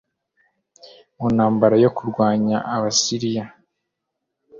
mu ntambara yo kurwanya Abasiriya